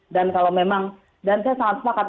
dan kalau memang dan saya sangat sepakat